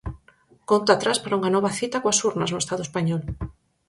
Conta atrás para unha nova cita coas urnas no Estado español.